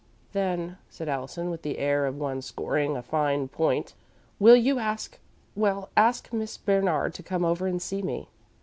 "Then," said Allison, with the air of one scoring a fine point, "will you ask well ask Miss Bernard to come over and see me?"